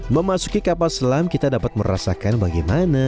memasuki kapal selam kita dapat merasakan bagaimana